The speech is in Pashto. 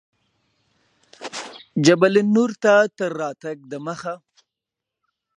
جبل النور ته تر راتګ دمخه.